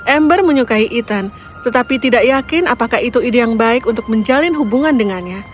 ember menyukai ethan tetapi tidak yakin apakah itu ide yang baik untuk menjalin hubungan dengannya